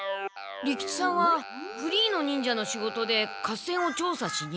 利吉さんはフリーの忍者の仕事で合戦を調査しに？